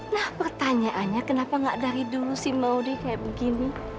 nah pertanyaannya kenapa gak dari dulu sih maudie kayak begini